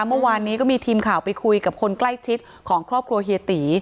เมื่อวานนี้ก็มีทีมข่าวไปคุยกับคนใกล้ชิดของครอบครัวเฮียตี